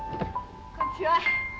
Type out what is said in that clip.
こんにちは。